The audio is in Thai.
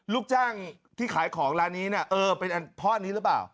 ลูกจ้างที่ขายของร้านนี้นะเออเป็นพ่อนี้หรือเปล่า